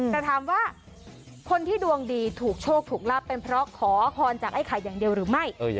แต่ถามว่าคนที่ดวงดีถูกโชคถูกลาบเป็นเพราะขอพรจากไอ้ไข่อย่างเดียวหรือไม่